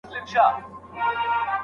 په دې مرحله کي یو تن پر قبیلې واک چلوي.